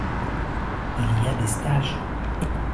Il y a des stages.